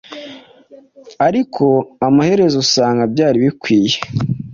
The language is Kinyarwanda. ariko amaherezo usanga byari bikwiye.